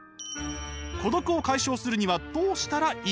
孤独を解消するにはどうしたらいいのか？